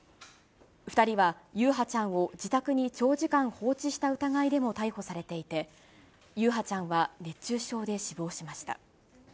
２人は優陽ちゃんを自宅に長時間放置した疑いでも逮捕されていて、優陽ちゃんは熱中症で死亡しました。